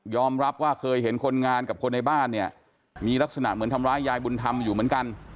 รับว่าเคยเห็นคนงานกับคนในบ้านเนี่ยมีลักษณะเหมือนทำร้ายยายบุญธรรมอยู่เหมือนกัน